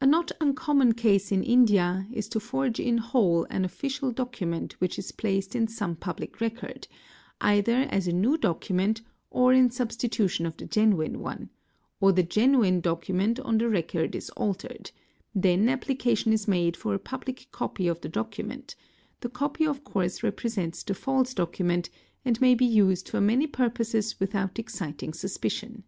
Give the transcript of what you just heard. A not uncommon case in India is to forge in whole an official document which is placed in some public record, either as a new document or in substitution of the genuine one; or the genuine document on the record is altered: then application is made — for a public copy of the document; the copy of course represents the h false document and may be used for many purposes without exciting suspicion.